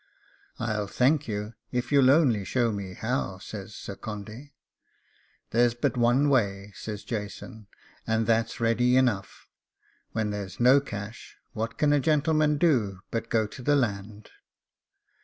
'I'll thank you if you'll only show me how,' says Sir Condy. 'There's but one way,' says Jason, 'and that's ready enough. When there's no cash, what can a gentleman do but go to the land?